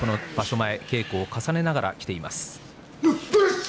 前稽古を重ねながらきています。